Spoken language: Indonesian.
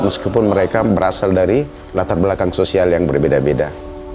meskipun mereka berasal dari latar belakang sosial yang berbeda beda